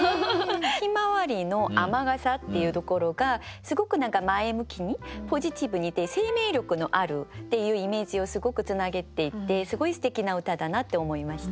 「ヒマワリの雨傘」っていうところがすごく何か前向きにポジティブで生命力のあるっていうイメージをすごくつなげていてすごいすてきな歌だなって思いました。